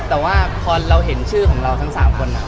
แต่ว่าพอเราเห็นชื่อของเราทั้ง๓คน